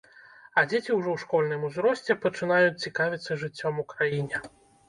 А дзеці ўжо ў школьным узросце пачынаюць цікавіцца жыццём у краіне.